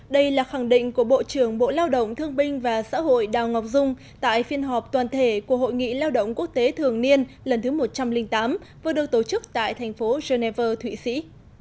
đây là khẳng định của bộ trưởng bộ lao động thương binh và xã hội đào ngọc dung tại phiên họp toàn thể của hội nghị lao động quốc tế thường niên lần thứ một trăm linh tám vừa được tổ chức tại thành phố geneva thụy sĩ